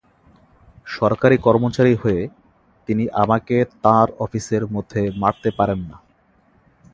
সরকারি কর্মচারী হয়ে তিনি আমাকে তাঁর অফিসের মধ্যে মারতে পারেন না।